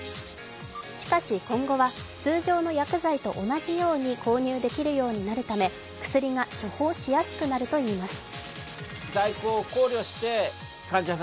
しかし今後は通常の薬剤と同じように購入できるようになるため薬が処方しやすくなるといいます。